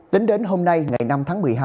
tính đến hôm nay ngày năm tháng một mươi hai